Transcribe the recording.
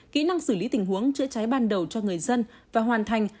kỹ năng xử lý tình huống chữa cháy ban đầu cho người dân và hoàn thành